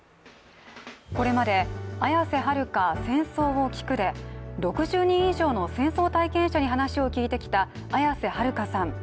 これまで、綾瀬はるか「戦争」を聞くで６０人以上の戦争体験者に話を聞いてきた綾瀬はるかさん。